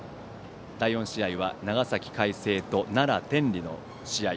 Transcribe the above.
第４試合、長崎・海星と奈良・天理の試合。